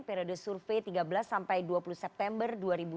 periode survei tiga belas sampai dua puluh september dua ribu dua puluh